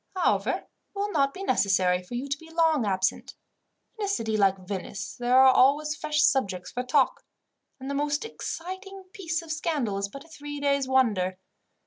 However, it will not be necessary for you to be long absent. In a city like Venice there are always fresh subjects for talk, and the most exciting piece of scandal is but a three days' wonder.